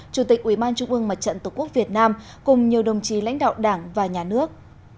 chủ tịch ủy ban trung ương mặt trận tổ quốc việt nam cùng nhiều đồng chí lãnh đạo đảng và nhà nước